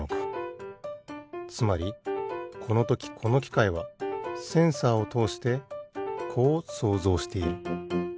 つまりこのときこのきかいはセンサーをとおしてこう想像している。